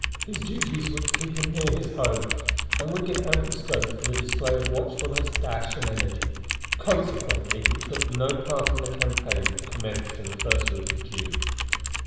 His duties would keep him near his home, and would give ample scope for the display of watchfulness, dash, and energy. Consequently he took no part in the campaign that commenced in the first week in June.